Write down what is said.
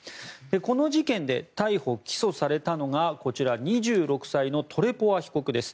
この事件で逮捕・起訴されたのが、２６歳のトレポワ被告です。